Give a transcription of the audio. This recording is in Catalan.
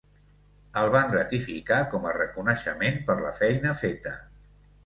El van gratificar com a reconeixement per la feina feta.